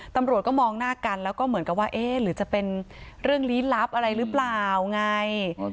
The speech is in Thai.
ตำรวจก็มองหน้ากันแล้วก็เหมือนกับว่าเอ๊ะหรือจะเป็นเรื่องลี้ลับอะไรหรือเปล่าไง